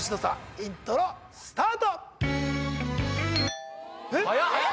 イントロスタートえっ？